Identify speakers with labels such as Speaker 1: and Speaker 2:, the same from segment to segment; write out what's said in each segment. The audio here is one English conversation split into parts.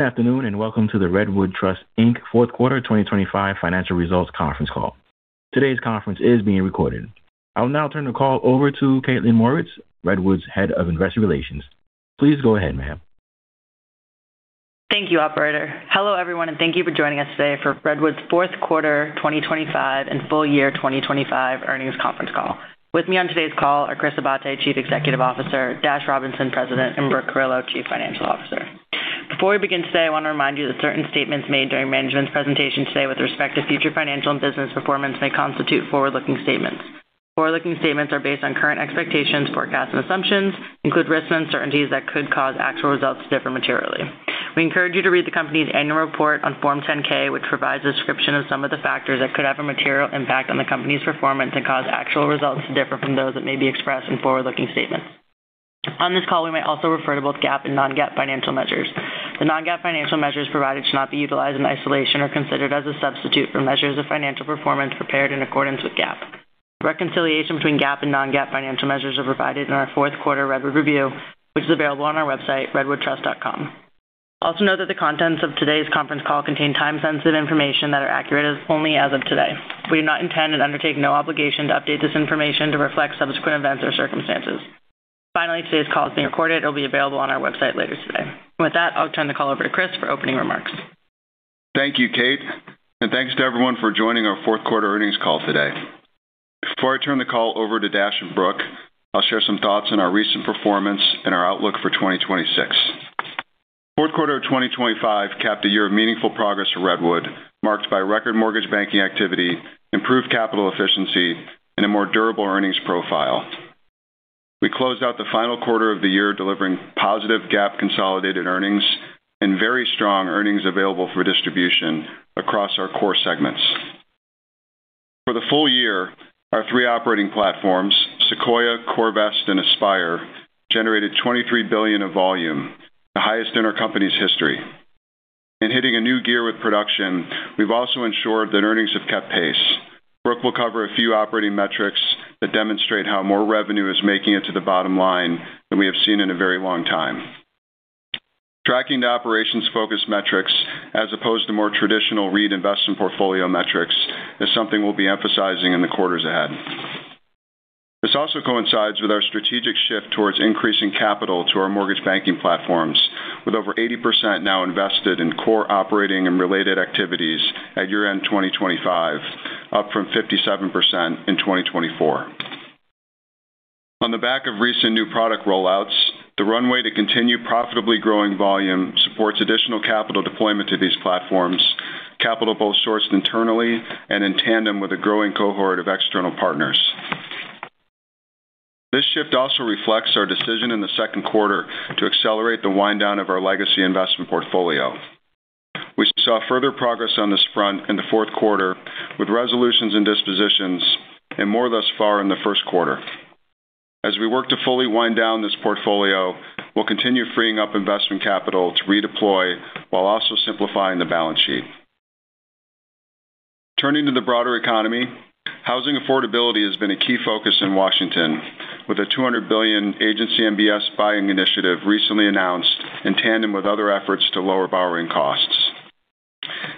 Speaker 1: Good afternoon, and welcome to the Redwood Trust, Inc. Fourth Quarter 2025 financial results conference call. Today's conference is being recorded. I will now turn the call over to Kaitlyn Mauritz, Redwood's Head of Investor Relations. Please go ahead, ma'am.
Speaker 2: Thank you, operator. Hello, everyone, and thank you for joining us today for Redwood's fourth quarter 2025 and full year 2025 earnings conference call. With me on today's call are Chris Abate, Chief Executive Officer; Dash Robinson, President; and Brooke Carillo, Chief Financial Officer. Before we begin today, I want to remind you that certain statements made during management's presentation today with respect to future financial and business performance may constitute forward-looking statements. Forward-looking statements are based on current expectations, forecasts, and assumptions include risks and uncertainties that could cause actual results to differ materially. We encourage you to read the company's annual report on Form 10-K, which provides a description of some of the factors that could have a material impact on the company's performance and cause actual results to differ from those that may be expressed in forward-looking statements. On this call, we may also refer to both GAAP and non-GAAP financial measures. The non-GAAP financial measures provided should not be utilized in isolation or considered as a substitute for measures of financial performance prepared in accordance with GAAP. Reconciliation between GAAP and non-GAAP financial measures are provided in our fourth quarter Redwood Review, which is available on our website, redwoodtrust.com. Also know that the contents of today's conference call contain time-sensitive information that are accurate as only as of today. We do not intend and undertake no obligation to update this information to reflect subsequent events or circumstances. Finally, today's call is being recorded. It'll be available on our website later today. With that, I'll turn the call over to Chris for opening remarks.
Speaker 3: Thank you, Kate, and thanks to everyone for joining our fourth-quarter earnings call today. Before I turn the call over to Dash and Brooke, I'll share some thoughts on our recent performance and our outlook for 2026. Fourth quarter of 2025 capped a year of meaningful progress for Redwood, marked by record mortgage banking activity, improved capital efficiency, and a more durable earnings profile. We closed out the final quarter of the year, delivering positive GAAP consolidated earnings and very strong earnings available for distribution across our core segments. For the full year, our three operating platforms, Sequoia, CoreVest, and Aspire, generated $23 billion of volume, the highest in our company's history. In hitting a new gear with production, we've also ensured that earnings have kept pace. Brooke will cover a few operating metrics that demonstrate how more revenue is making it to the bottom line than we have seen in a very long time. Tracking the operations focus metrics as opposed to more traditional REIT investment portfolio metrics is something we'll be emphasizing in the quarters ahead. This also coincides with our strategic shift towards increasing capital to our mortgage banking platforms, with over 80% now invested in core operating and related activities at year-end 2025, up from 57% in 2024. On the back of recent new product rollouts, the runway to continue profitably growing volume supports additional capital deployment to these platforms, capital both sourced internally and in tandem with a growing cohort of external partners. This shift also reflects our decision in the second quarter to accelerate the wind down of our legacy investment portfolio. We saw further progress on this front in the fourth quarter, with resolutions and dispositions and more thus far in the first quarter. As we work to fully wind down this portfolio, we'll continue freeing up investment capital to redeploy while also simplifying the balance sheet. Turning to the broader economy, housing affordability has been a key focus in Washington, with a $200 billion Agency MBS buying initiative recently announced in tandem with other efforts to lower borrowing costs.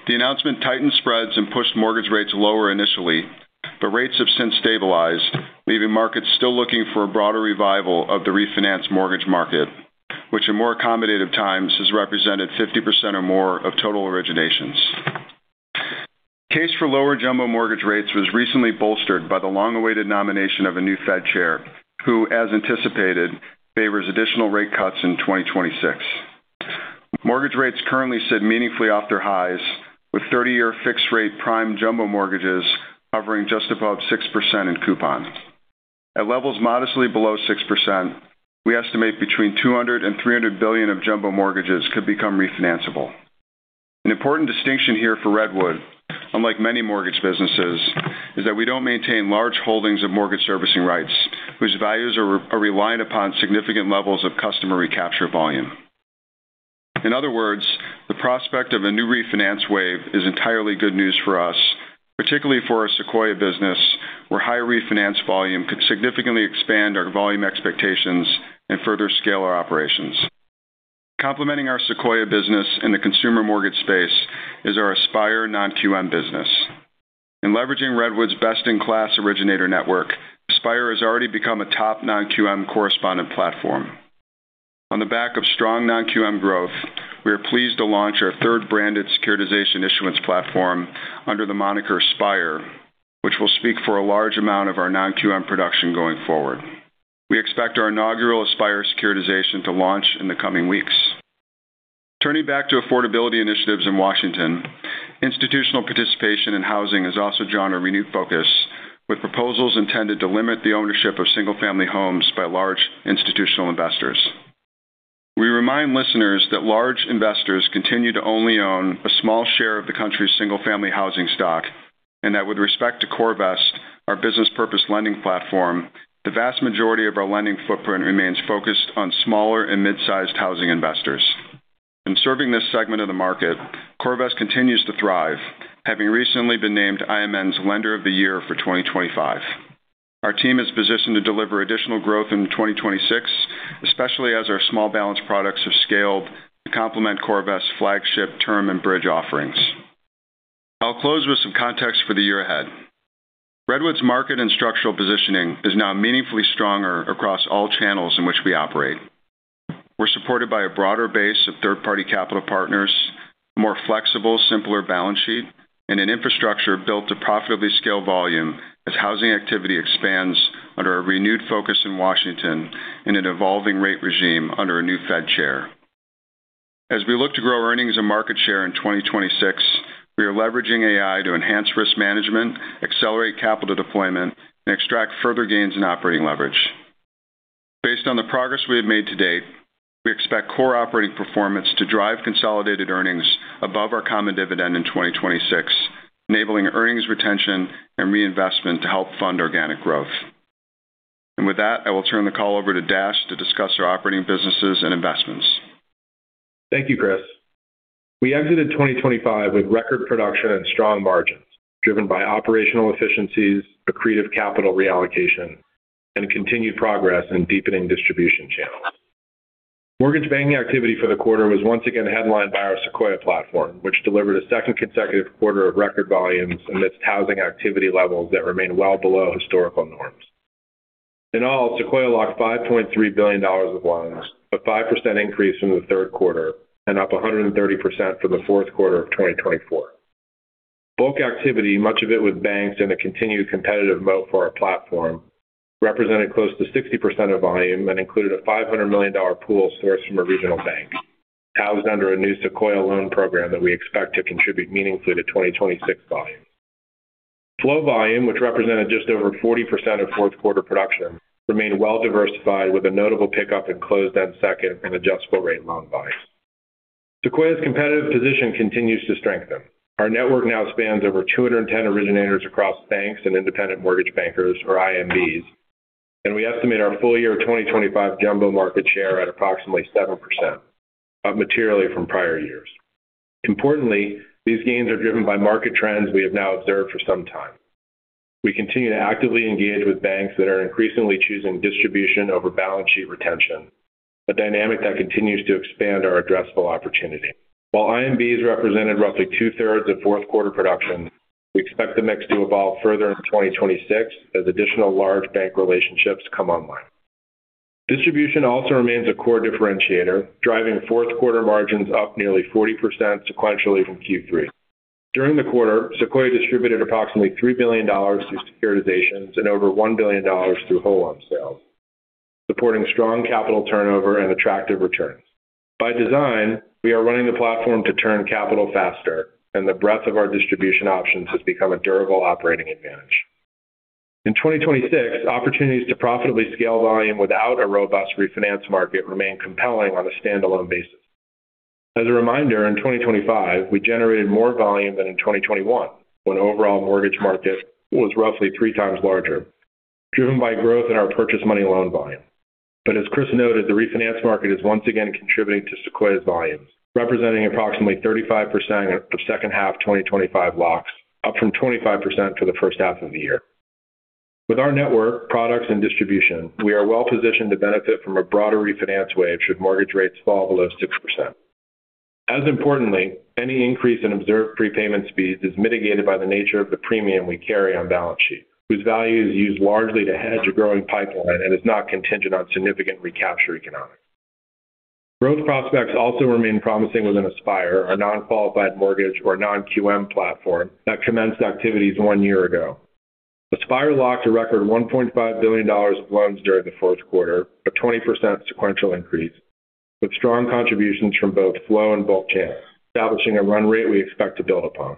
Speaker 3: The announcement tightened spreads and pushed mortgage rates lower initially, but rates have since stabilized, leaving markets still looking for a broader revival of the refinance mortgage market, which in more accommodative times has represented 50% or more of total originations. Case for lower jumbo mortgage rates was recently bolstered by the long-awaited nomination of a new Fed chair, who, as anticipated, favors additional rate cuts in 2026. Mortgage rates currently sit meaningfully off their highs, with 30-year fixed-rate prime jumbo mortgages hovering just above 6% in coupon. At levels modestly below 6%, we estimate between $200 billion and $300 billion of jumbo mortgages could become refinanceable. An important distinction here for Redwood, unlike many mortgage businesses, is that we don't maintain large holdings of mortgage servicing rights, whose values are reliant upon significant levels of customer recapture volume. In other words, the prospect of a new refinance wave is entirely good news for us, particularly for our Sequoia business, where higher refinance volume could significantly expand our volume expectations and further scale our operations. Complementing our Sequoia business in the consumer mortgage space is our Aspire non-QM business. In leveraging Redwood's best-in-class originator network, Aspire has already become a top non-QM correspondent platform. On the back of strong non-QM growth, we are pleased to launch our third branded securitization issuance platform under the moniker Aspire, which will speak for a large amount of our non-QM production going forward. We expect our inaugural Aspire securitization to launch in the coming weeks. Turning back to affordability initiatives in Washington, institutional participation in housing has also drawn a renewed focus, with proposals intended to limit the ownership of single-family homes by large institutional investors. We remind listeners that large investors continue to only own a small share of the country's single-family housing stock, and that with respect to CoreVest, our business purpose lending platform, the vast majority of our lending footprint remains focused on smaller and mid-sized housing investors. In serving this segment of the market, CoreVest continues to thrive, having recently been named IMN's Lender of the Year for 2025. Our team is positioned to deliver additional growth in 2026, especially as our small balance products are scaled to complement CoreVest's flagship term and bridge offerings. I'll close with some context for the year ahead. Redwood's market and structural positioning is now meaningfully stronger across all channels in which we operate. We're supported by a broader base of third-party capital partners, more flexible, simpler balance sheet, and an infrastructure built to profitably scale volume as housing activity expands under a renewed focus in Washington and an evolving rate regime under a new Fed chair. As we look to grow earnings and market share in 2026, we are leveraging AI to enhance risk management, accelerate capital deployment, and extract further gains in operating leverage. Based on the progress we have made to date, we expect core operating performance to drive consolidated earnings above our common dividend in 2026, enabling earnings retention and reinvestment to help fund organic growth. With that, I will turn the call over to Dash to discuss our operating businesses and investments.
Speaker 4: Thank you, Chris. We exited 2025 with record production and strong margins, driven by operational efficiencies, accretive capital reallocation, and continued progress in deepening distribution channels. Mortgage banking activity for the quarter was once again headlined by our Sequoia platform, which delivered a second consecutive quarter of record volumes amidst housing activity levels that remain well below historical norms. In all, Sequoia locked $5.3 billion of loans, a 5% increase from the third quarter and up 130% from the fourth quarter of 2024. Bulk activity, much of it with banks in a continued competitive moat for our platform, represented close to 60% of volume and included a $500 million pool sourced from a regional bank, housed under a new Sequoia loan program that we expect to contribute meaningfully to 2026 volume. Flow volume, which represented just over 40% of fourth quarter production, remained well-diversified, with a notable pickup in closed-end second and adjustable rate loan buys. Sequoia's competitive position continues to strengthen. Our network now spans over 210 originators across banks and independent mortgage bankers, or IMBs, and we estimate our full year 2025 jumbo market share at approximately 7%, up materially from prior years. Importantly, these gains are driven by market trends we have now observed for some time. We continue to actively engage with banks that are increasingly choosing distribution over balance sheet retention, a dynamic that continues to expand our addressable opportunity. While IMBs represented roughly two-thirds of fourth quarter production, we expect the mix to evolve further in 2026 as additional large bank relationships come online. Distribution also remains a core differentiator, driving fourth quarter margins up nearly 40% sequentially from Q3. During the quarter, Sequoia distributed approximately $3 billion through securitizations and over $1 billion through whole loan sales, supporting strong capital turnover and attractive returns. By design, we are running the platform to turn capital faster, and the breadth of our distribution options has become a durable operating advantage. In 2026, opportunities to profitably scale volume without a robust refinance market remain compelling on a standalone basis. As a reminder, in 2025, we generated more volume than in 2021, when overall mortgage market was roughly 3x larger, driven by growth in our purchase money loan volume. But as Chris noted, the refinance market is once again contributing to Sequoia's volumes, representing approximately 35% of second half 2025 locks, up from 25% for the first half of the year. With our network, products, and distribution, we are well-positioned to benefit from a broader refinance wave should mortgage rates fall below 6%. As importantly, any increase in observed prepayment speeds is mitigated by the nature of the premium we carry on balance sheet, whose value is used largely to hedge a growing pipeline and is not contingent on significant recapture economics. Growth prospects also remain promising within Aspire, our non-qualified mortgage or non-QM platform that commenced activities one year ago. Aspire locked a record $1.5 billion of loans during the fourth quarter, a 20% sequential increase, with strong contributions from both flow and bulk channels, establishing a run rate we expect to build upon.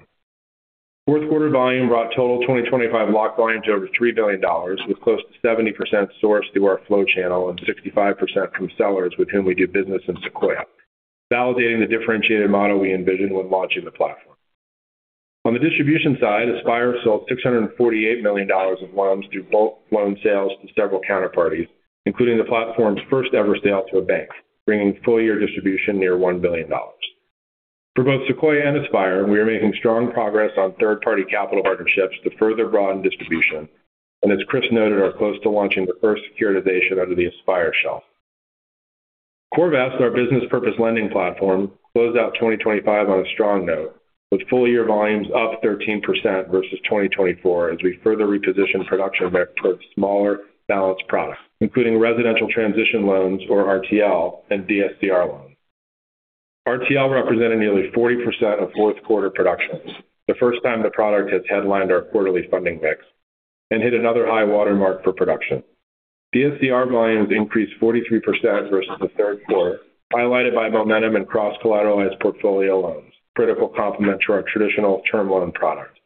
Speaker 4: Fourth quarter volume brought total 2025 lock volume to over $3 billion, with close to 70% sourced through our flow channel and 65% from sellers with whom we do business in Sequoia, validating the differentiated model we envisioned when launching the platform. On the distribution side, Aspire sold $648 million of loans through bulk loan sales to several counterparties, including the platform's first-ever sale to a bank, bringing full-year distribution near $1 billion. For both Sequoia and Aspire, we are making strong progress on third-party capital partnerships to further broaden distribution, and as Chris noted, are close to launching the first securitization under the Aspire shelf. CoreVest, our business purpose lending platform, closed out 2025 on a strong note, with full-year volumes up 13% versus 2024 as we further repositioned production mix towards smaller balance products, including residential transition loans, or RTL, and DSCR loans. RTL represented nearly 40% of fourth quarter productions, the first time the product has headlined our quarterly funding mix and hit another high-water mark for production. DSCR volumes increased 43% versus the third quarter, highlighted by momentum in cross-collateralized portfolio loans, critical complement to our traditional term loan product.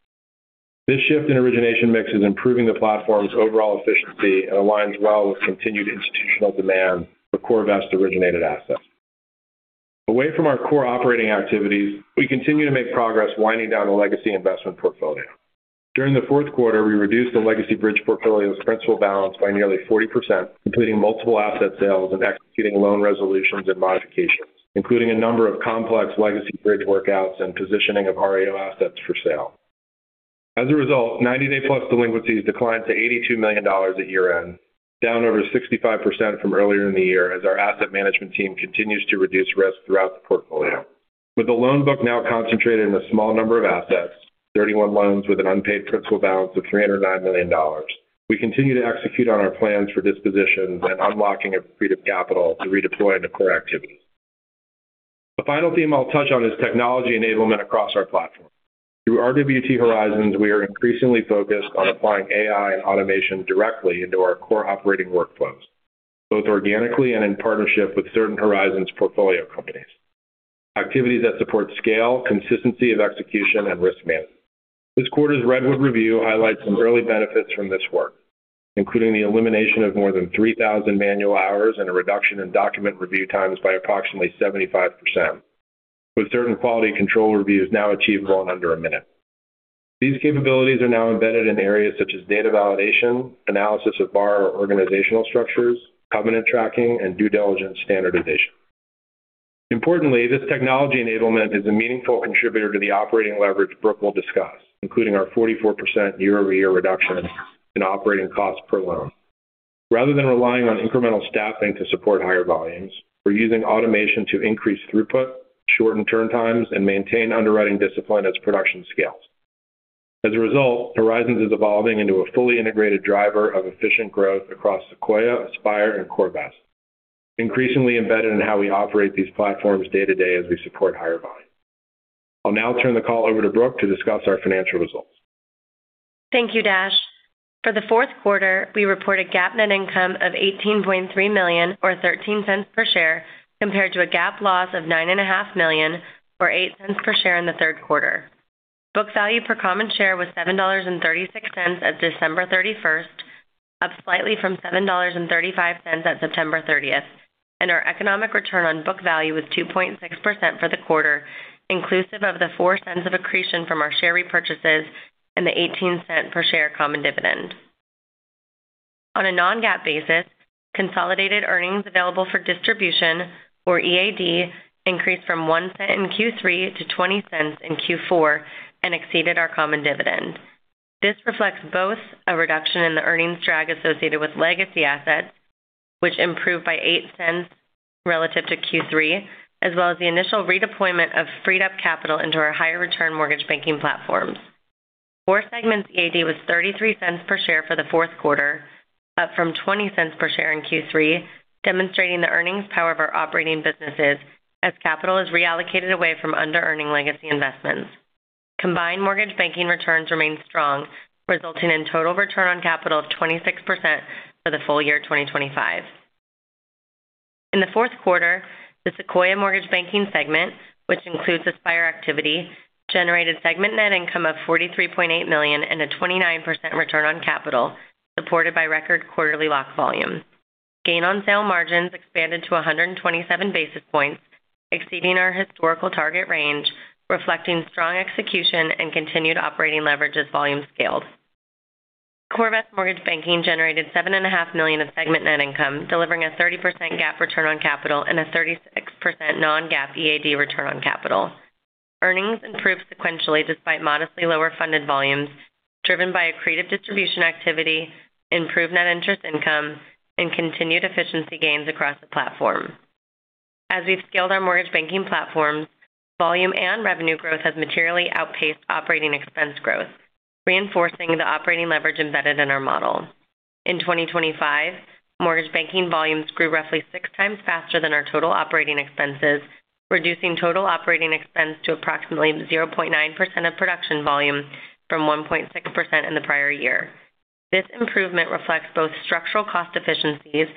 Speaker 4: This shift in origination mix is improving the platform's overall efficiency and aligns well with continued institutional demand for CoreVest-originated assets. Away from our core operating activities, we continue to make progress winding down the legacy investment portfolio. During the fourth quarter, we reduced the legacy bridge portfolio's principal balance by nearly 40%, completing multiple asset sales and executing loan resolutions and modifications, including a number of complex legacy bridge workouts and positioning of REO assets for sale... As a result, 90-day plus delinquencies declined to $82 million at year-end, down over 65% from earlier in the year as our asset management team continues to reduce risk throughout the portfolio. With the loan book now concentrated in a small number of assets, 31 loans with an unpaid principal balance of $309 million, we continue to execute on our plans for dispositions and unlocking of freed up capital to redeploy into core activities. The final theme I'll touch on is technology enablement across our platform. Through RWT Horizons, we are increasingly focused on applying AI and automation directly into our core operating workflows, both organically and in partnership with certain Horizons portfolio companies. Activities that support scale, consistency of execution, and risk management. This quarter's Redwood Review highlights some early benefits from this work, including the elimination of more than 3,000 manual hours and a reduction in document review times by approximately 75%, with certain quality control reviews now achieved well under a minute. These capabilities are now embedded in areas such as data validation, analysis of borrower or organizational structures, covenant tracking, and due diligence standardization. Importantly, this technology enablement is a meaningful contributor to the operating leverage Brooke will discuss, including our 44% year-over-year reduction in operating costs per loan. Rather than relying on incremental staffing to support higher volumes, we're using automation to increase throughput, shorten turn times, and maintain underwriting discipline as production scales. As a result, Horizons is evolving into a fully integrated driver of efficient growth across Sequoia, Aspire, and CoreVest, increasingly embedded in how we operate these platforms day to day as we support higher volumes. I'll now turn the call over to Brooke to discuss our financial results.
Speaker 5: Thank you, Dash. For the fourth quarter, we reported GAAP net income of $18.3 million, or $0.13 per share, compared to a GAAP loss of $9.5 million, or $0.08 per share in the third quarter. Book value per common share was $7.36 at December 31st, up slightly from $7.35 at September 30th, and our economic return on book value was 2.6% for the quarter, inclusive of the $0.04 of accretion from our share repurchases and the $0.18 per share common dividend. On a non-GAAP basis, consolidated earnings available for distribution, or EAD, increased from $0.01 in Q3 to $0.20 in Q4 and exceeded our common dividend. This reflects both a reduction in the earnings drag associated with legacy assets, which improved by $0.08 relative to Q3, as well as the initial redeployment of freed up capital into our higher return mortgage banking platforms. Core segment EAD was $0.33 per share for the fourth quarter, up from $0.20 per share in Q3, demonstrating the earnings power of our operating businesses as capital is reallocated away from under-earning legacy investments. Combined mortgage banking returns remain strong, resulting in total return on capital of 26% for the full year 2025. In the fourth quarter, the Sequoia Mortgage Banking segment, which includes Aspire activity, generated segment net income of $43.8 million and a 29% return on capital, supported by record quarterly lock volumes. Gain on sale margins expanded to 127 basis points, exceeding our historical target range, reflecting strong execution and continued operating leverage as volume scaled. CoreVest Mortgage Banking generated $7.5 million of segment net income, delivering a 30% GAAP return on capital and a 36% non-GAAP EAD return on capital. Earnings improved sequentially, despite modestly lower funded volumes, driven by accretive distribution activity, improved net interest income, and continued efficiency gains across the platform. As we've scaled our mortgage banking platforms, volume and revenue growth has materially outpaced operating expense growth, reinforcing the operating leverage embedded in our model. In 2025, mortgage banking volumes grew roughly 6x faster than our total operating expenses, reducing total operating expense to approximately 0.9% of production volume from 1.6% in the prior year. This improvement reflects both structural cost efficiencies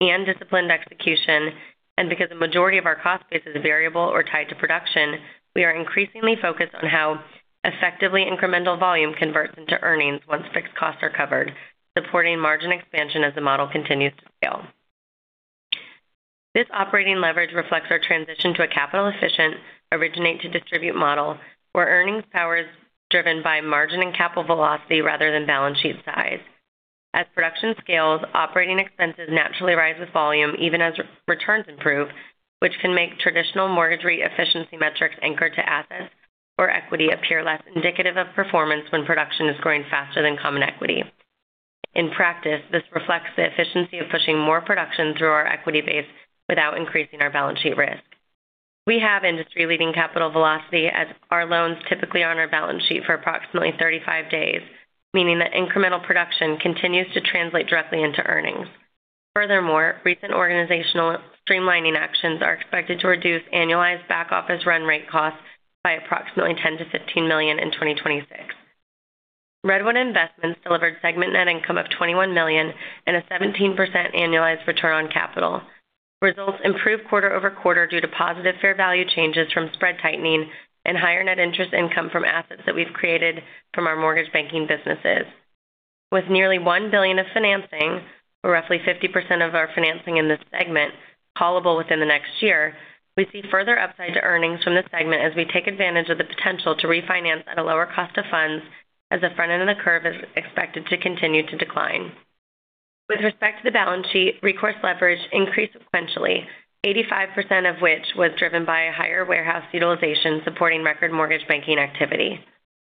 Speaker 5: and disciplined execution, and because the majority of our cost base is variable or tied to production, we are increasingly focused on how effectively incremental volume converts into earnings once fixed costs are covered, supporting margin expansion as the model continues to scale. This operating leverage reflects our transition to a capital-efficient, originate-to-distribute model, where earnings power is driven by margin and capital velocity rather than balance sheet size. As production scales, operating expenses naturally rise with volume even as returns improve, which can make traditional mortgage efficiency metrics anchored to assets or equity appear less indicative of performance when production is growing faster than common equity. In practice, this reflects the efficiency of pushing more production through our equity base without increasing our balance sheet risk. We have industry-leading capital velocity, as our loans typically are on our balance sheet for approximately 35 days, meaning that incremental production continues to translate directly into earnings. Furthermore, recent organizational streamlining actions are expected to reduce annualized back-office run rate costs by approximately $10 million-$15 million in 2026. Redwood Investments delivered segment net income of $21 million and a 17% annualized return on capital. Results improved quarter-over-quarter due to positive fair value changes from spread tightening and higher net interest income from assets that we've created from our mortgage banking businesses. With nearly $1 billion of financing, or roughly 50% of our financing in this segment, callable within the next year, we see further upside to earnings from the segment as we take advantage of the potential to refinance at a lower cost of funds, as the front end of the curve is expected to continue to decline. With respect to the balance sheet, recourse leverage increased sequentially, 85% of which was driven by a higher warehouse utilization supporting record mortgage banking activity.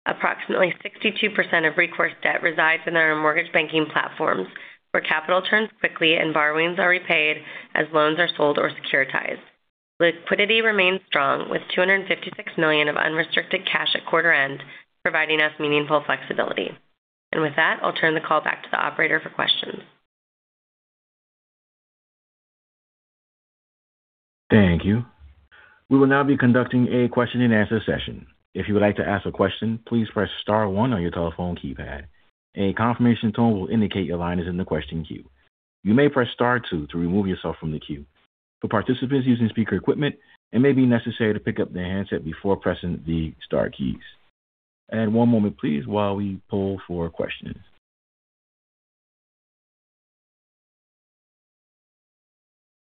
Speaker 5: Approximately 62% of recourse debt resides in our mortgage banking platforms, where capital turns quickly and borrowings are repaid as loans are sold or securitized. Liquidity remains strong, with $256 million of unrestricted cash at quarter end, providing us meaningful flexibility. And with that, I'll turn the call back to the operator for questions.
Speaker 1: Thank you. We will now be conducting a question-and-answer session. If you would like to ask a question, please press star one on your telephone keypad. A confirmation tone will indicate your line is in the question queue. You may press star two to remove yourself from the queue. For participants using speaker equipment, it may be necessary to pick up the handset before pressing the star keys. One moment please, while we poll for questions.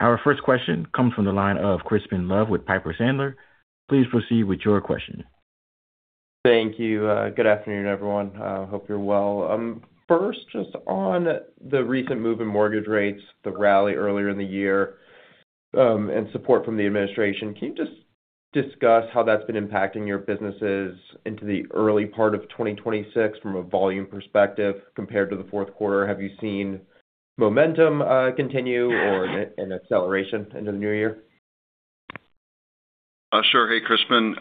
Speaker 1: Our first question comes from the line of Crispin Love with Piper Sandler. Please proceed with your question.
Speaker 6: Thank you. Good afternoon, everyone. I hope you're well. First, just on the recent move in mortgage rates, the rally earlier in the year, and support from the administration. Can you just discuss how that's been impacting your businesses into the early part of 2026 from a volume perspective compared to the fourth quarter? Have you seen momentum continue or an acceleration into the new year?
Speaker 3: Sure. Hey, Crispin.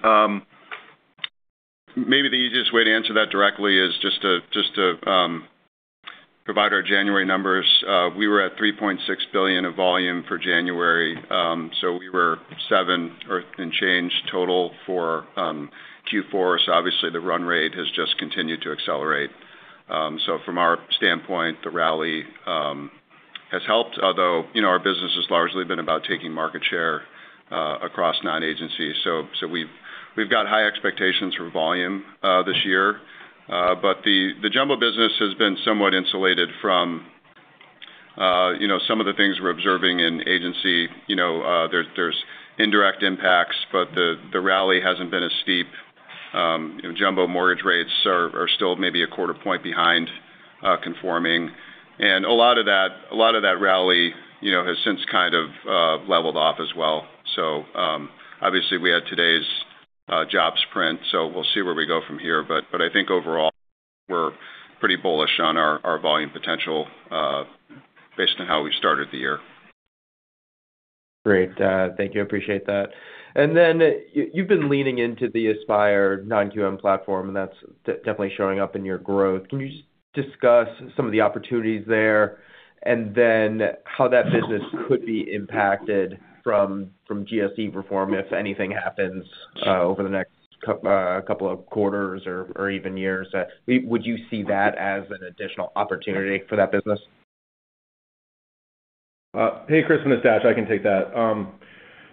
Speaker 3: Maybe the easiest way to answer that directly is just to provide our January numbers. We were at $3.6 billion of volume for January. So we were seven or and change total for Q4. So obviously the run rate has just continued to accelerate. So from our standpoint, the rally has helped, although, you know, our business has largely been about taking market share across non-agencies. So we've got high expectations for volume this year. But the jumbo business has been somewhat insulated from, you know, some of the things we're observing in agency. You know, there's indirect impacts, but the rally hasn't been as steep. Jumbo mortgage rates are still maybe a quarter point behind conforming. A lot of that, a lot of that rally, you know, has since kind of leveled off as well. So, obviously we had today's jobs print, so we'll see where we go from here. But I think overall, we're pretty bullish on our volume potential based on how we started the year.
Speaker 6: Great. Thank you. I appreciate that. And then you've been leaning into the Aspire non-QM platform, and that's definitely showing up in your growth. Can you just discuss some of the opportunities there, and then how that business could be impacted from GSE reform if anything happens over the next couple of quarters or even years? Would you see that as an additional opportunity for that business?
Speaker 4: Hey, Crispin, it's Dash. I can take that.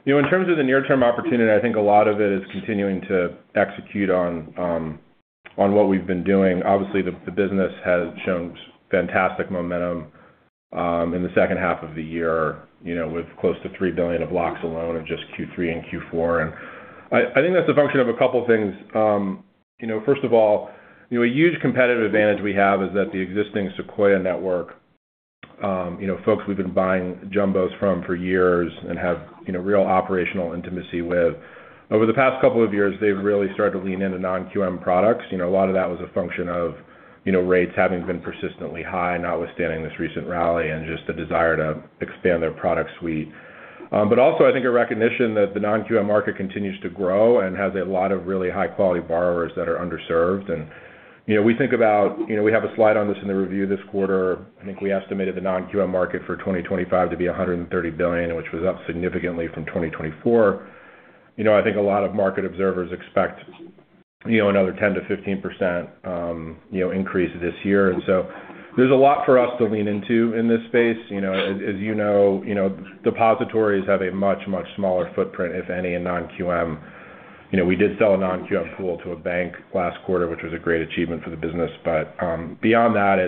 Speaker 4: You know, in terms of the near-term opportunity, I think a lot of it is continuing to execute on what we've been doing. Obviously, the business has shown fantastic momentum in the second half of the year, you know, with close to $3 billion of locks alone in just Q3 and Q4. And I think that's a function of a couple of things. You know, first of all, you know, a huge competitive advantage we have is that the existing Sequoia network, you know, folks we've been buying jumbos from for years and have, you know, real operational intimacy with. Over the past couple of years, they've really started to lean into non-QM products. You know, a lot of that was a function of, you know, rates having been persistently high, notwithstanding this recent rally, and just the desire to expand their product suite. But also I think a recognition that the non-QM market continues to grow and has a lot of really high-quality borrowers that are underserved. And, you know, we think about, you know, we have a slide on this in the review this quarter. I think we estimated the non-QM market for 2025 to be $130 billion, which was up significantly from 2024. You know, I think a lot of market observers expect, you know, another 10%-15% increase this year. And so there's a lot for us to lean into in this space. You know, as you know, you know, depositories have a much, much smaller footprint, if any, in non-QM. You know, we did sell a non-QM pool to a bank last quarter, which was a great achievement for the business. But, beyond that,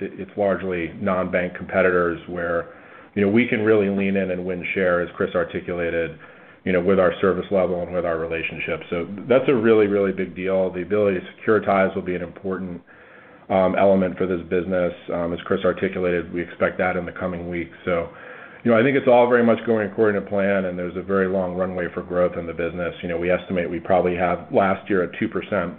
Speaker 4: it's largely non-bank competitors where, you know, we can really lean in and win share, as Chris articulated, you know, with our service level and with our relationships. So that's a really, really big deal. The ability to securitize will be an important element for this business. As Chris articulated, we expect that in the coming weeks. So, you know, I think it's all very much going according to plan, and there's a very long runway for growth in the business. You know, we estimate we probably have last year, a 2%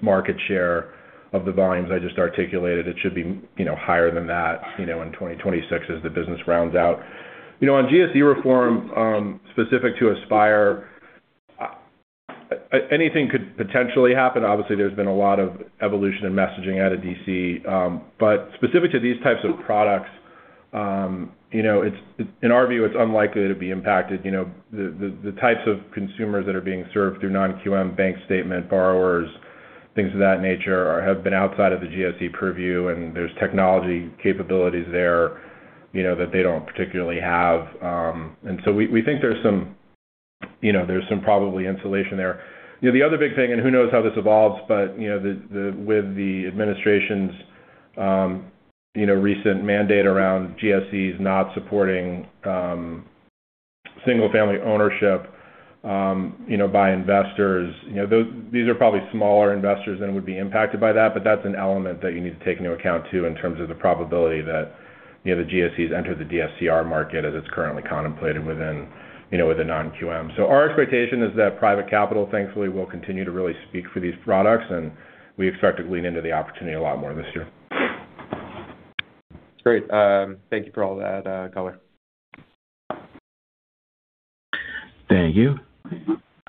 Speaker 4: market share of the volumes I just articulated. It should be, you know, higher than that, you know, in 2026 as the business rounds out. You know, on GSE reform, specific to Aspire, anything could potentially happen. Obviously, there's been a lot of evolution in messaging out of D.C., but specific to these types of products, you know, it's in our view unlikely to be impacted. You know, the types of consumers that are being served through non-QM bank statement borrowers, things of that nature, have been outside of the GSE purview, and there's technology capabilities there, you know, that they don't particularly have. And so we think there's some, you know, probably insulation there. You know, the other big thing, and who knows how this evolves, but, you know, with the administration's recent mandate around GSEs not supporting... single-family ownership, you know, by investors. You know, those, these are probably smaller investors that would be impacted by that, but that's an element that you need to take into account too, in terms of the probability that, you know, the GSEs enter the DSCR market as it's currently contemplated within, you know, with the non-QM. So our expectation is that private capital, thankfully, will continue to really speak for these products, and we expect to lean into the opportunity a lot more this year.
Speaker 6: Great. Thank you for all that color.
Speaker 1: Thank you.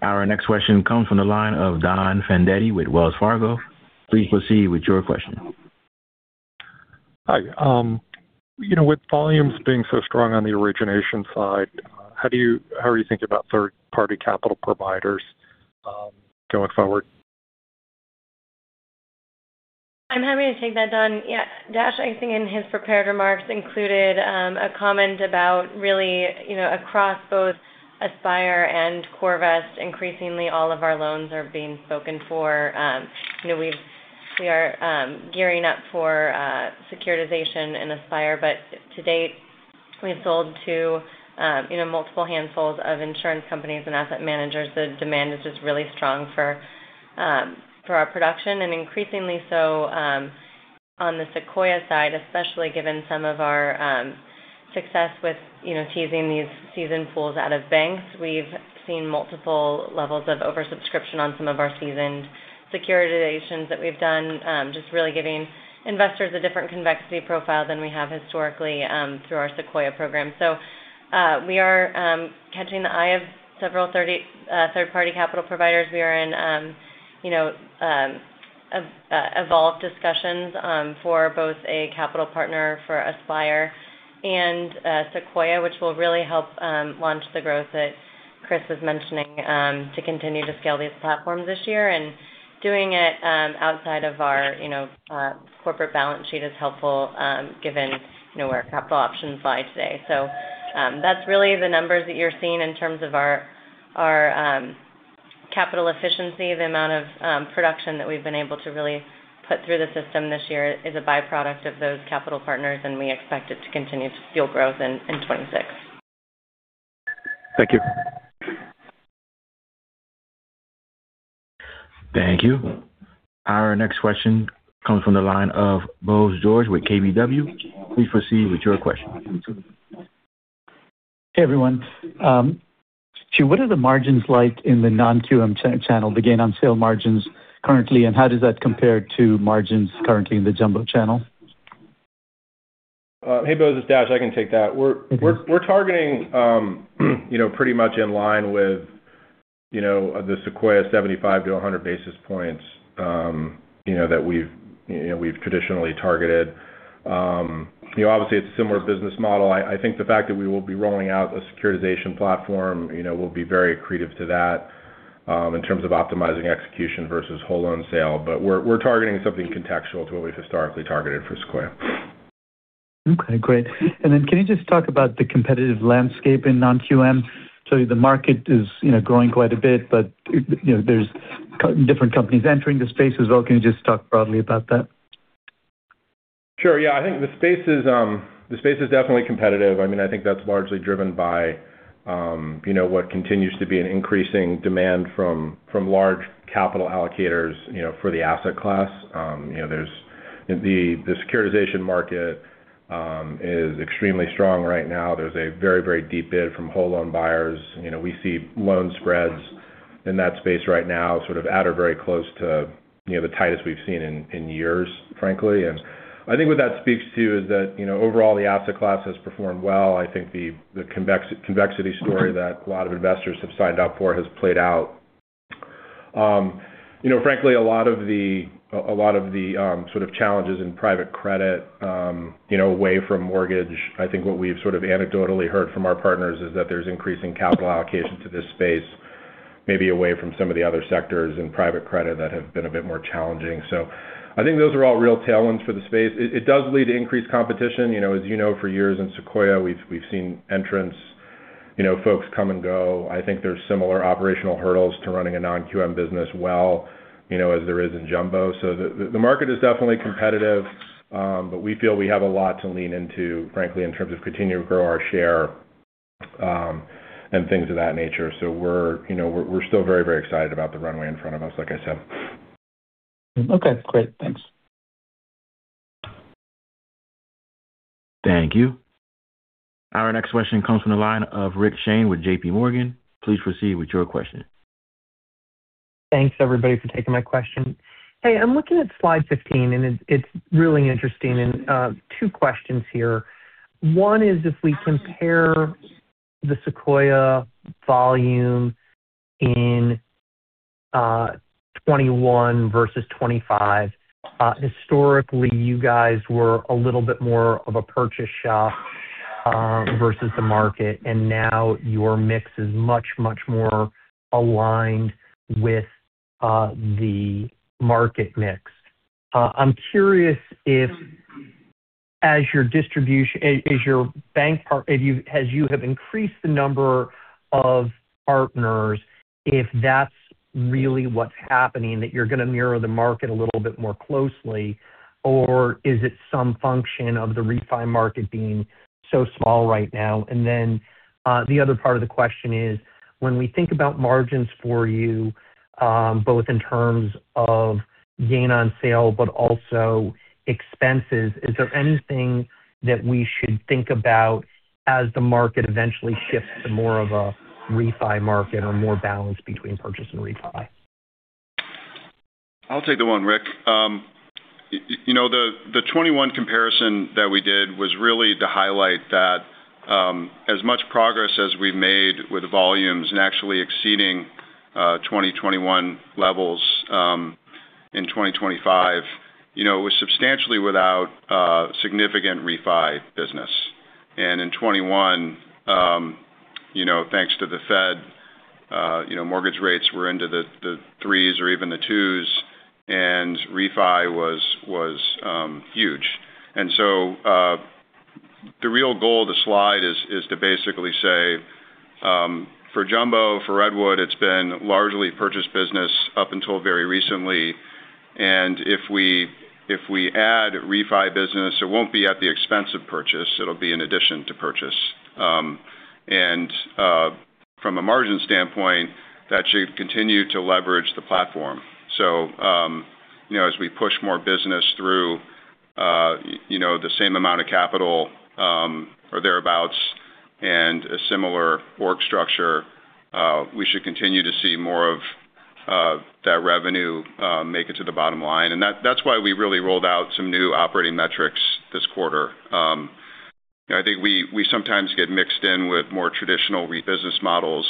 Speaker 1: Our next question comes from the line of Don Fandetti with Wells Fargo. Please proceed with your question.
Speaker 7: Hi. You know, with volumes being so strong on the origination side, how are you thinking about third-party capital providers, going forward?
Speaker 5: I'm happy to take that, Don. Yeah, Dash, I think in his prepared remarks, included a comment about really, you know, across both Aspire and CoreVest, increasingly all of our loans are being spoken for. You know, we've-- we are gearing up for securitization in Aspire, but to date, we've sold to you know, multiple handfuls of insurance companies and asset managers. The demand is just really strong for our production, and increasingly so on the Sequoia side, especially given some of our success with, you know, teasing these seasoned pools out of banks. We've seen multiple levels of oversubscription on some of our seasoned securitizations that we've done just really giving investors a different convexity profile than we have historically through our Sequoia program. So, we are catching the eye of several third-party capital providers. We are in, you know, evolved discussions for both a capital partner for Aspire and Sequoia, which will really help launch the growth that Chris was mentioning to continue to scale these platforms this year. And doing it outside of our, you know, corporate balance sheet is helpful given, you know, where capital options lie today. So, that's really the numbers that you're seeing in terms of our capital efficiency. The amount of production that we've been able to really put through the system this year is a byproduct of those capital partners, and we expect it to continue to fuel growth in 2026.
Speaker 7: Thank you.
Speaker 1: Thank you. Our next question comes from the line of Bose George with KBW. Please proceed with your question.
Speaker 8: Hey, everyone. So what are the margins like in the non-QM channel, the gain on sale margins currently, and how does that compare to margins currently in the jumbo channel?
Speaker 4: Hey, Bose, it's Dash. I can take that.
Speaker 8: Okay.
Speaker 4: We're targeting, you know, pretty much in line with, you know, the Sequoia 75-100 basis points, you know, that we've, you know, we've traditionally targeted. You know, obviously, it's a similar business model. I think the fact that we will be rolling out a securitization platform, you know, will be very accretive to that, in terms of optimizing execution versus whole loan sale. But we're targeting something contextual to what we've historically targeted for Sequoia.
Speaker 8: Okay, great. And then can you just talk about the competitive landscape in Non-QM? So the market is, you know, growing quite a bit, but, you know, there's different companies entering the space as well. Can you just talk broadly about that?
Speaker 4: Sure. Yeah. I think the space is the space is definitely competitive. I mean, I think that's largely driven by you know what continues to be an increasing demand from, from large capital allocators, you know, for the asset class. You know, there's the, the securitization market is extremely strong right now. There's a very, very deep bid from whole loan buyers. You know, we see loan spreads in that space right now, sort of at a very close to, you know, the tightest we've seen in, in years, frankly. And I think what that speaks to is that, you know, overall, the asset class has performed well. I think the, the convex- convexity story that a lot of investors have signed up for has played out. You know, frankly, a lot of the sort of challenges in private credit, you know, away from mortgage, I think what we've sort of anecdotally heard from our partners is that there's increasing capital allocation to this space, maybe away from some of the other sectors in private credit that have been a bit more challenging. So I think those are all real tailwinds for the space. It does lead to increased competition. You know, as you know, for years in Sequoia, we've seen entrants, you know, folks come and go. I think there's similar operational hurdles to running a non-QM business well, you know, as there is in jumbo. So the market is definitely competitive, but we feel we have a lot to lean into, frankly, in terms of continuing to grow our share, and things of that nature. So we're, you know, still very, very excited about the runway in front of us, like I said.
Speaker 8: Okay, great. Thanks.
Speaker 1: Thank you. Our next question comes from the line of Rick Shane with JP Morgan. Please proceed with your question.
Speaker 9: Thanks, everybody, for taking my question. Hey, I'm looking at slide 15, and it's, it's really interesting. Two questions here. One is, if we compare the Sequoia volume in 2021 versus 2025, historically, you guys were a little bit more of a purchase shop versus the market, and now your mix is much, much more aligned with the market mix. I'm curious if as your distribution, as your bank part, if you, as you have increased the number of partners, if that's really what's happening, that you're going to mirror the market a little bit more closely, or is it some function of the refi market being so small right now? The other part of the question is, when we think about margins for you, both in terms of gain on sale, but also expenses, is there anything that we should think about as the market eventually shifts to more of a refi market or more balanced between purchase and refi?
Speaker 3: I'll take that one, Rick. You know, the 2021 comparison that we did was really to highlight that, as much progress as we've made with volumes and actually exceeding 2021 levels in 2025, you know, it was substantially without significant refi business. And in 2021, you know, thanks to the Fed, you know, mortgage rates were into the 3s or even the 2s, and refi was huge. And so, the real goal of the slide is to basically say, for jumbo, for Redwood, it's been largely purchase business up until very recently. And if we add refi business, it won't be at the expense of purchase, it'll be in addition to purchase. And from a margin standpoint, that should continue to leverage the platform. So, you know, as we push more business through, you know, the same amount of capital, or thereabouts, and a similar org structure, we should continue to see more of, that revenue, make it to the bottom line. And that's why we really rolled out some new operating metrics this quarter. I think we sometimes get mixed in with more traditional REIT business models,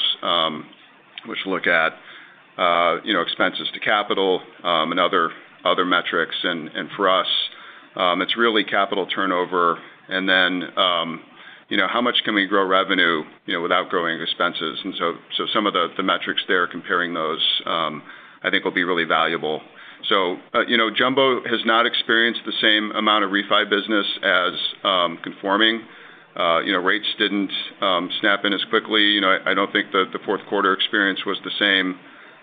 Speaker 3: which look at, you know, expenses to capital, and other metrics. And for us, it's really capital turnover. And then, you know, how much can we grow revenue, you know, without growing expenses? And so some of the metrics there, comparing those, I think will be really valuable. So, you know, Jumbo has not experienced the same amount of refi business as, conforming. You know, rates didn't snap in as quickly. You know, I don't think that the fourth quarter experience was the same.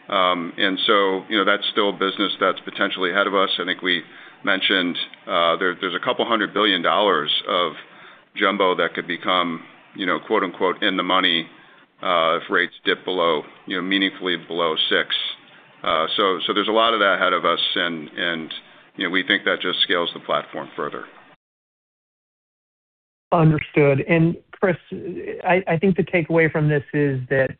Speaker 3: And so, you know, that's still business that's potentially ahead of us. I think we mentioned there, there's $200 billion of jumbo that could become, you know, quote, unquote, "in the money," if rates dip below, you know, meaningfully below six. So, so there's a lot of that ahead of us. And, and, you know, we think that just scales the platform further.
Speaker 9: Understood. And, Chris, I think the takeaway from this is that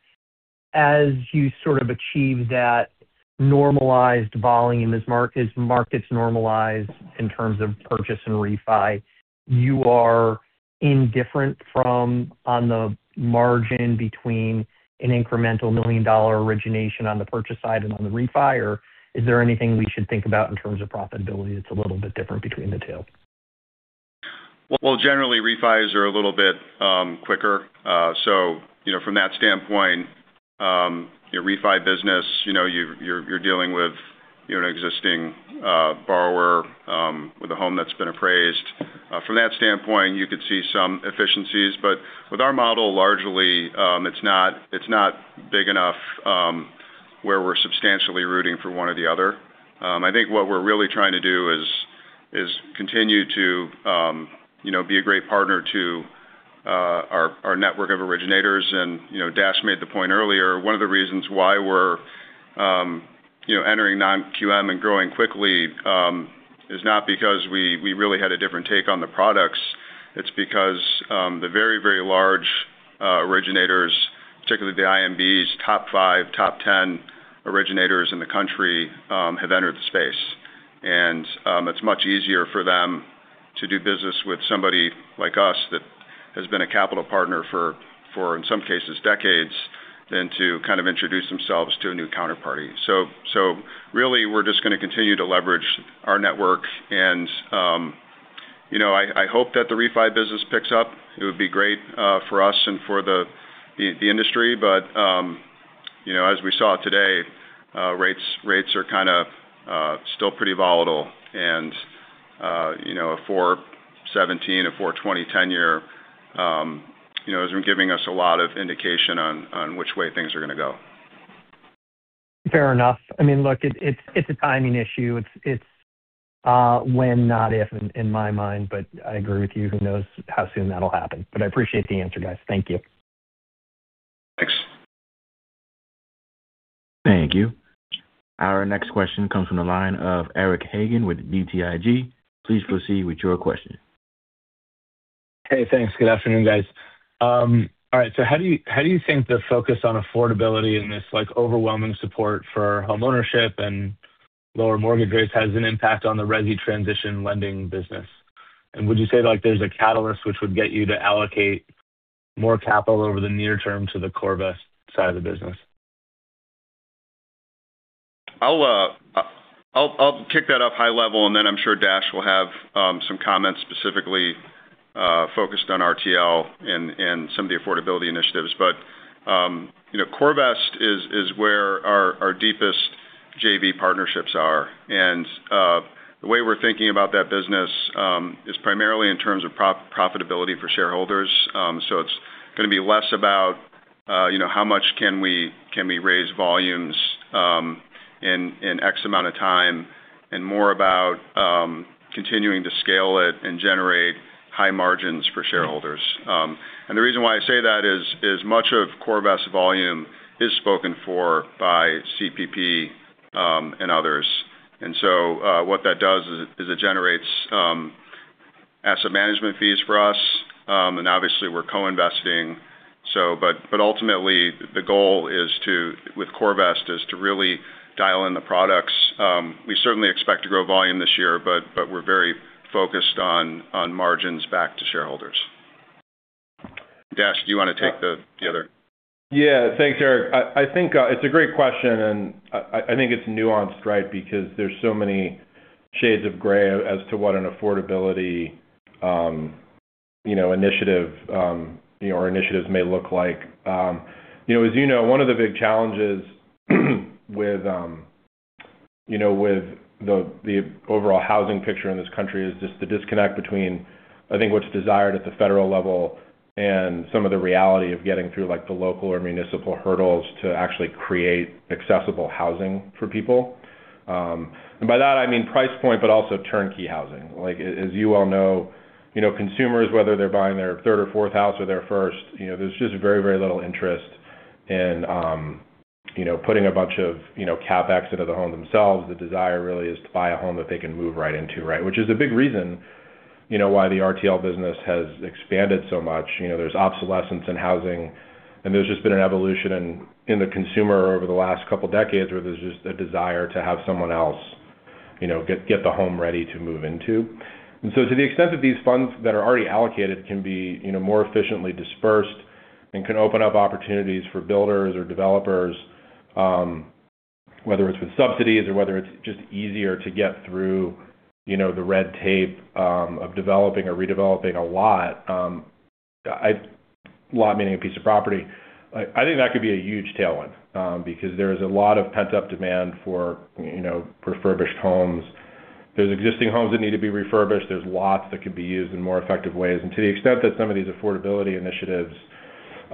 Speaker 9: as you sort of achieve that normalized volume, as markets normalize in terms of purchase and refi, you are indifferent from on the margin between an incremental $1 million origination on the purchase side and on the refi, or is there anything we should think about in terms of profitability that's a little bit different between the two?
Speaker 3: Well, generally, refis are a little bit quicker. So, you know, from that standpoint, your refi business, you know, you're dealing with, you know, an existing borrower with a home that's been appraised. From that standpoint, you could see some efficiencies. But with our model, largely, it's not big enough where we're substantially rooting for one or the other. I think what we're really trying to do is continue to, you know, be a great partner to our network of originators. And, you know, Dash made the point earlier, one of the reasons why we're, you know, entering non-QM and growing quickly is not because we really had a different take on the products. It's because the very, very large originators, particularly the IMBs, top five, top 10 originators in the country, have entered the space. And it's much easier for them to do business with somebody like us that has been a capital partner for, in some cases, decades, than to kind of introduce themselves to a new counterparty. So really, we're just going to continue to leverage our network. And you know, I hope that the refi business picks up. It would be great for us and for the industry. But you know, as we saw today, rates are kind of still pretty volatile. And you know, a 4.17, a 4.20 ten-year hasn't been giving us a lot of indication on which way things are going to go.
Speaker 9: Fair enough. I mean, look, it's a timing issue. It's when, not if, in my mind, but I agree with you. Who knows how soon that'll happen? But I appreciate the answer, guys. Thank you.
Speaker 3: Thanks.
Speaker 1: Thank you. Our next question comes from the line of Eric Hagen with BTIG. Please proceed with your question.
Speaker 10: Hey, thanks. Good afternoon, guys. All right, so how do you, how do you think the focus on affordability and this, like, overwhelming support for homeownership and lower mortgage rates has an impact on the resi transition lending business? And would you say, like, there's a catalyst which would get you to allocate more capital over the near term to the CoreVest side of the business?
Speaker 3: I'll kick that off high level, and then I'm sure Dash will have some comments specifically focused on RTL and some of the affordability initiatives. But you know, CoreVest is where our deepest JV partnerships are. And the way we're thinking about that business is primarily in terms of profitability for shareholders. So it's gonna be less about you know, how much can we raise volumes in X amount of time, and more about continuing to scale it and generate high margins for shareholders. And the reason why I say that is much of CoreVest volume is spoken for by CPP and others. And so what that does is it generates asset management fees for us. And obviously, we're co-investing, but ultimately, the goal is to, with CoreVest, is to really dial in the products. We certainly expect to grow volume this year, but we're very focused on margins back to shareholders. Dash, do you wanna take the other?
Speaker 4: Yeah. Thanks, Eric. I think it's a great question, and I think it's nuanced, right? Because there's so many shades of gray as to what an affordability, you know, initiative, you know, or initiatives may look like. You know, as you know, one of the big challenges with, you know, with the overall housing picture in this country is just the disconnect between, I think, what's desired at the federal level and some of the reality of getting through, like, the local or municipal hurdles to actually create accessible housing for people. And by that, I mean price point, but also turnkey housing. Like, as you all know, you know, consumers, whether they're buying their third or fourth house or their first, you know, there's just very, very little interest in, you know, putting a bunch of, you know, CapEx into the home themselves. The desire really is to buy a home that they can move right into, right? Which is a big reason, you know, why the RTL business has expanded so much. You know, there's obsolescence in housing, and there's just been an evolution in the consumer over the last couple of decades, where there's just a desire to have someone else, you know, get the home ready to move into. And so, to the extent that these funds that are already allocated can be, you know, more efficiently dispersed and can open up opportunities for builders or developers, whether it's with subsidies or whether it's just easier to get through, you know, the red tape of developing or redeveloping a lot, lot meaning a piece of property. I think that could be a huge tailwind, because there is a lot of pent-up demand for, you know, refurbished homes. There's existing homes that need to be refurbished. There's lots that could be used in more effective ways. And to the extent that some of these affordability initiatives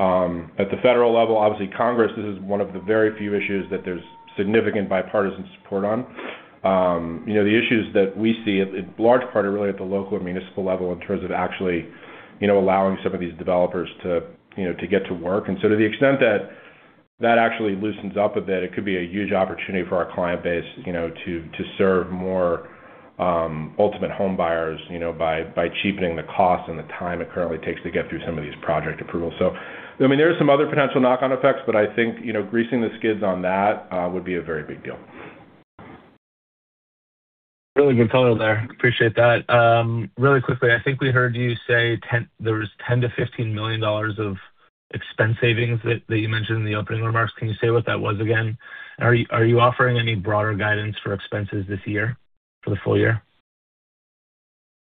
Speaker 4: at the federal level, obviously Congress, this is one of the very few issues that there's significant bipartisan support on. You know, the issues that we see, in large part are really at the local and municipal level in terms of actually, you know, allowing some of these developers to, you know, to get to work. And so to the extent that that actually loosens up a bit, it could be a huge opportunity for our client base, you know, to, to serve more, ultimate home buyers, you know, by, by cheapening the cost and the time it currently takes to get through some of these project approvals. So, I mean, there are some other potential knock-on effects, but I think, you know, greasing the skids on that, would be a very big deal.
Speaker 10: Really good total there. Appreciate that. Really quickly, I think we heard you say there was $10 million-$15 million of expense savings that you mentioned in the opening remarks. Can you say what that was again? Are you offering any broader guidance for expenses this year, for the full year?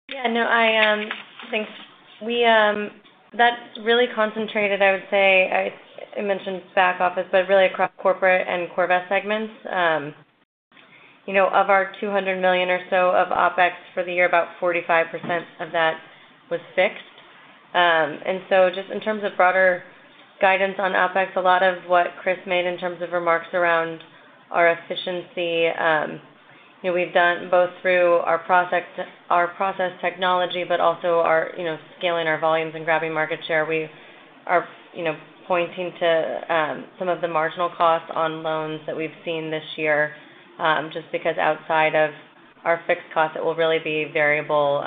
Speaker 5: Yeah, no, I think we. That's really concentrated, I would say. I mentioned back office, but really across corporate and CoreVest segments, you know, of our $200 million or so of OpEx for the year, about 45% of that was fixed. And so just in terms of broader guidance on OpEx, a lot of what Chris made in terms of remarks around our efficiency, you know, we've done both through our process, our process technology, but also our, you know, scaling our volumes and grabbing market share. We are, you know, pointing to some of the marginal costs on loans that we've seen this year, just because outside of our fixed costs, it will really be variable,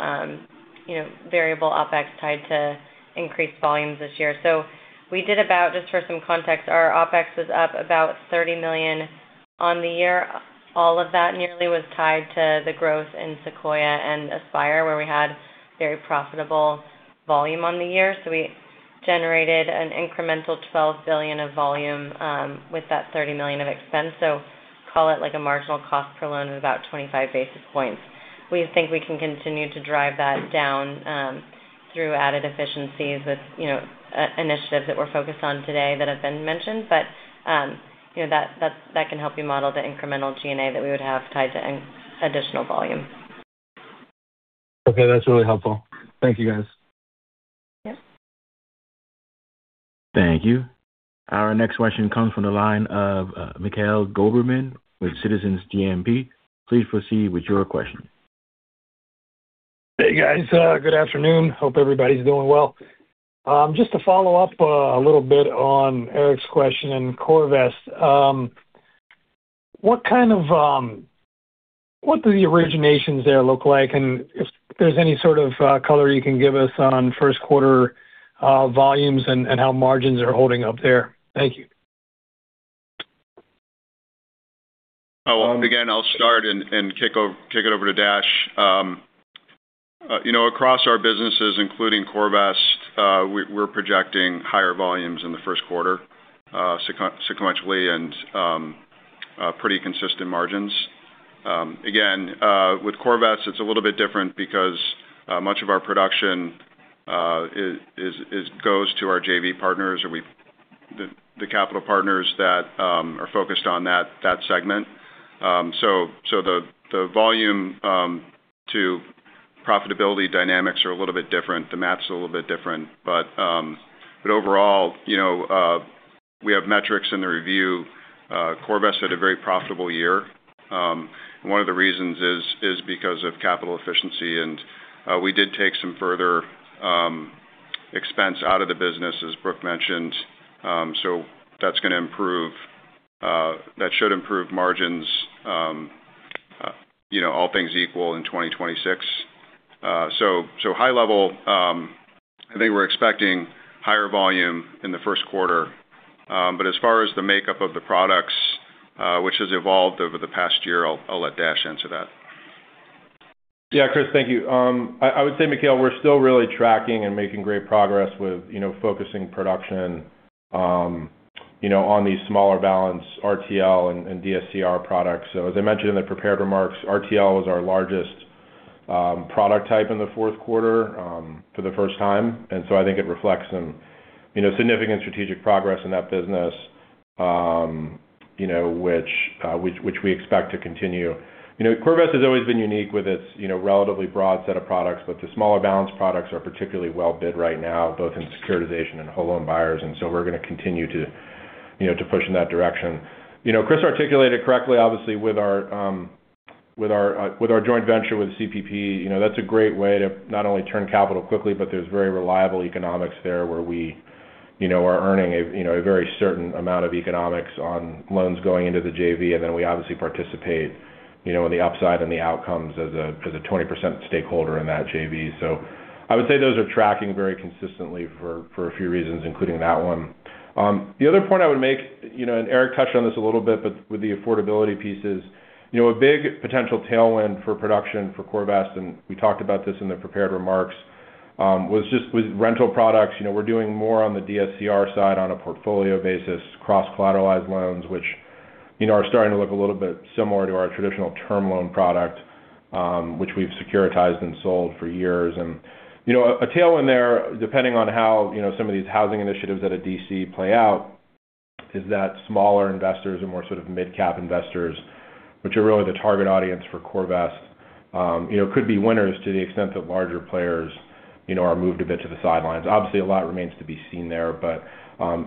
Speaker 5: you know, variable OpEx tied to increased volumes this year. So we did about, just for some context, our OpEx was up about $30 million on the year. All of that nearly was tied to the growth in Sequoia and Aspire, where we had very profitable volume on the year. So we generated an incremental $12 billion of volume, with that $30 million of expense. So call it like a marginal cost per loan of about 25 basis points. We think we can continue to drive that down, through added efficiencies with, you know, initiatives that we're focused on today that have been mentioned. But, you know, that, that, that can help you model the incremental G&A that we would have tied to an additional volume.
Speaker 10: Okay, that's really helpful. Thank you, guys.
Speaker 5: Yes.
Speaker 1: Thank you. Our next question comes from the line of, Mikhail Goberman with Citizens JMP. Please proceed with your question.
Speaker 11: Hey, guys, good afternoon. Hope everybody's doing well. Just to follow up a little bit on Eric's question in CoreVest. What do the originations there look like? And if there's any sort of color you can give us on first quarter volumes and how margins are holding up there. Thank you.
Speaker 3: Oh, well, again, I'll start and kick it over to Dash. You know, across our businesses, including CoreVest, we're projecting higher volumes in the first quarter, sequentially. Pretty consistent margins. Again, with CoreVest, it's a little bit different because much of our production goes to our JV partners or the capital partners that are focused on that segment. So the volume to profitability dynamics are a little bit different. The math's a little bit different. But overall, you know, we have metrics in the review. CoreVest had a very profitable year. And one of the reasons is because of capital efficiency, and we did take some further expense out of the business, as Brooke mentioned. So that's gonna improve, that should improve margins, you know, all things equal in 2026. So high level, I think we're expecting higher volume in the first quarter. But as far as the makeup of the products, which has evolved over the past year, I'll let Dash answer that.
Speaker 4: Yeah, Chris, thank you. I would say, Mikhail, we're still really tracking and making great progress with, you know, focusing production, you know, on these smaller balance RTL and DSCR products. So as I mentioned in the prepared remarks, RTL was our largest product type in the fourth quarter for the first time. And so I think it reflects some, you know, significant strategic progress in that business, you know, which we expect to continue. You know, CoreVest has always been unique with its, you know, relatively broad set of products, but the smaller balance products are particularly well bid right now, both in securitization and whole loan buyers. And so we're gonna continue to, you know, to push in that direction. You know, Chris articulated correctly, obviously, with our joint venture with CPP. You know, that's a great way to not only turn capital quickly, but there's very reliable economics there, where we, you know, are earning a, you know, a very certain amount of economics on loans going into the JV. And then we obviously participate, you know, on the upside and the outcomes as a 20% stakeholder in that JV. So I would say those are tracking very consistently for a few reasons, including that one. The other point I would make, you know, and Eric touched on this a little bit, but with the affordability pieces. You know, a big potential tailwind for production for CoreVest, and we talked about this in the prepared remarks, was just with rental products. You know, we're doing more on the DSCR side on a portfolio basis, cross-collateralized loans, which, you know, are starting to look a little bit similar to our traditional term loan product, which we've securitized and sold for years. You know, a tailwind there, depending on how, you know, some of these housing initiatives out of D.C. play out, is that smaller investors and more sort of mid-cap investors, which are really the target audience for CoreVest, you know, could be winners to the extent that larger players, you know, are moved a bit to the sidelines. Obviously, a lot remains to be seen there, but,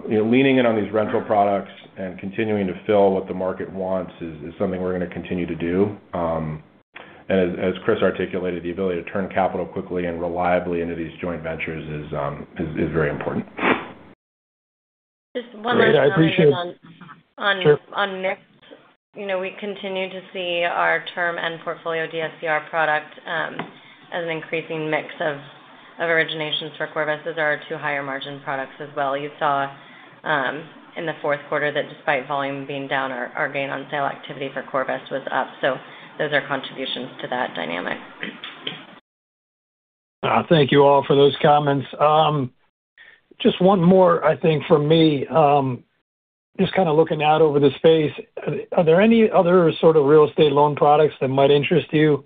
Speaker 4: you know, leaning in on these rental products and continuing to fill what the market wants is, is something we're gonna continue to do. As Chris articulated, the ability to turn capital quickly and reliably into these joint ventures is very important.
Speaker 5: Just one more-
Speaker 11: Great. I appreciate-
Speaker 5: On, on-
Speaker 11: Sure.
Speaker 5: On next. You know, we continue to see our term and portfolio DSCR product as an increasing mix of originations for CoreVest. Those are our two higher margin products as well. You saw in the fourth quarter that despite volume being down, our gain on sale activity for CoreVest was up. So those are contributions to that dynamic.
Speaker 11: Thank you all for those comments. Just one more, I think, from me. Just kind of looking out over the space, are there any other sort of real estate loan products that might interest you,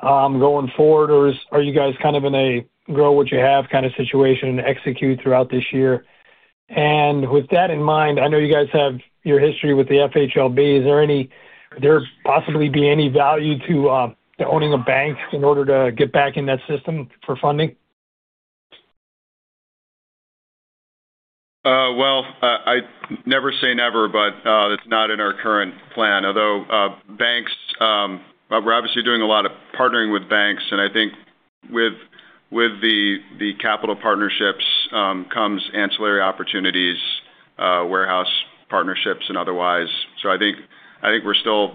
Speaker 11: going forward? Or are you guys kind of in a grow what you have kind of situation and execute throughout this year? And with that in mind, I know you guys have your history with the FHLB. Could there possibly be any value to owning a bank in order to get back in that system for funding?
Speaker 3: Well, I never say never, but it's not in our current plan. Although, banks, we're obviously doing a lot of partnering with banks, and I think with the capital partnerships comes ancillary opportunities, warehouse partnerships and otherwise. So I think we're still,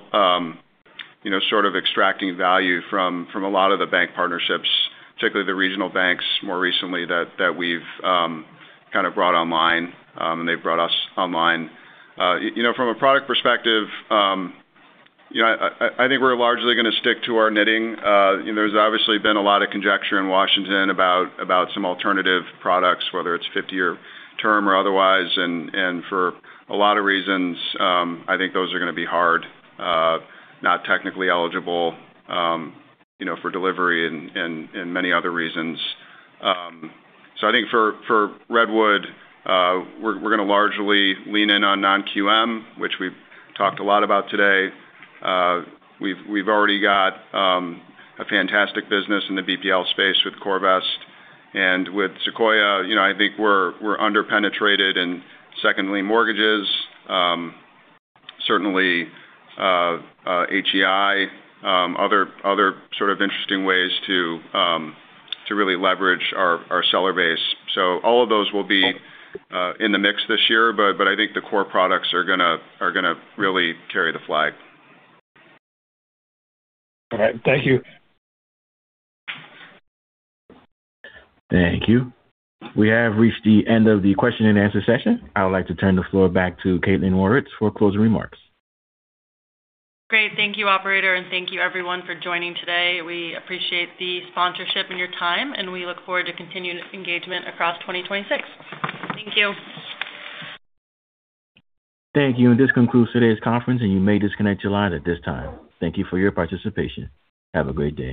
Speaker 3: you know, sort of extracting value from a lot of the bank partnerships, particularly the regional banks, more recently, that we've kind of brought online, and they've brought us online. You know, from a product perspective, you know, I think we're largely gonna stick to our knitting. You know, there's obviously been a lot of conjecture in Washington about some alternative products, whether it's 50-year term or otherwise. For a lot of reasons, I think those are gonna be hard, not technically eligible, you know, for delivery and many other reasons. So I think for Redwood, we're gonna largely lean in on non-QM, which we've talked a lot about today. We've already got a fantastic business in the BPL space with CoreVest. And with Sequoia, you know, I think we're under-penetrated in second-lien mortgages. Certainly, HEI, other sort of interesting ways to really leverage our seller base. So all of those will be in the mix this year, but I think the core products are gonna really carry the flag.
Speaker 11: All right. Thank you.
Speaker 1: Thank you. We have reached the end of the question and answer session. I would like to turn the floor back to Kaitlyn Mauritz for closing remarks.
Speaker 2: Great. Thank you, operator, and thank you everyone for joining today. We appreciate the sponsorship and your time, and we look forward to continued engagement across 2026. Thank you.
Speaker 1: Thank you. This concludes today's conference, and you may disconnect your line at this time. Thank you for your participation. Have a great day.